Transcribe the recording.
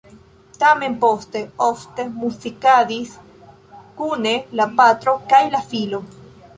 Tamen poste ofte muzikadis kune la patro kaj la filo.